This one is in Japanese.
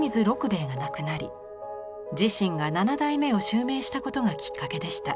兵衞が亡くなり自身が７代目を襲名したことがきっかけでした。